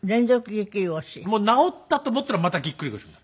治ったと思ったらまたぎっくり腰みたいな。